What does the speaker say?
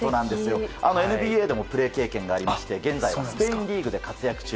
ＮＢＡでもプレー経験がありまして現在スペインリーグで活躍中。